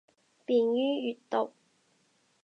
便于阅读